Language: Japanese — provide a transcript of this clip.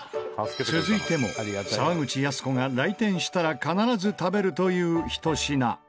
続いても沢口靖子が来店したら必ず食べるというひと品。